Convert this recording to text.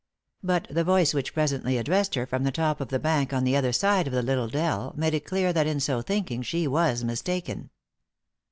But the voice which presently addressed her from the top of the bank on the other side of the little dell made it clear that in so thinking she was mistaken.